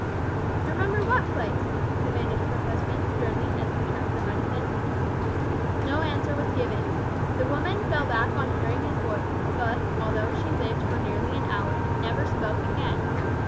"`Remember what place?' demanded her husband, sternly, as he returned with the medicine. "No answer was given. The woman fell back on hearing his voice, but, although she lived for nearly an hour, never spoke again.